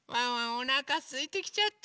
おなかすいてきちゃった。